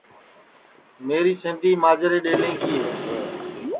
میری سیندی ماجرے ڈؔیلیں کی ہے